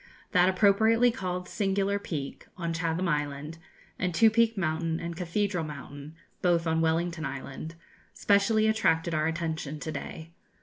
That appropriately called Singular Peak on Chatham Island and Two peak Mountain and Cathedral Mountain both on Wellington Island specially attracted our attention to day.